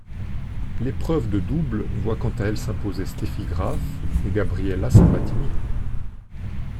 L'épreuve de double voit quant à elle s'imposer Steffi Graf et Gabriela Sabatini.